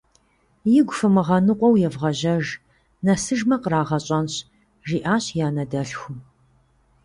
Игу фымыгъэныкъуэу евгъэжьэж, нэсыжмэ, къырагъэщӏэнщ, - жиӏащ и анэ дэлъхум.